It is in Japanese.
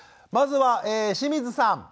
まずは清水さん。